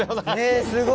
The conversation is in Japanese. えすごい。